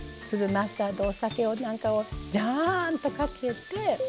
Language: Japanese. マスタードお酒なんかをジャーンとかけて。